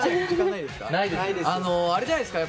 あれじゃないですか？